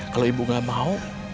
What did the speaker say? kalau ibu gak mau